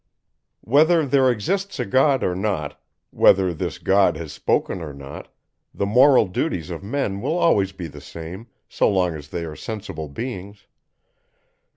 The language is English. Whether there exists a God or not, whether this God has spoken or not, the moral duties of men will be always the same, so long as they are sensible beings.